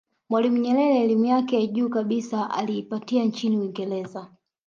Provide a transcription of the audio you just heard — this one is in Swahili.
mwalimu nyerere elimu yake ya juu kabisa aliipata nchini uingereza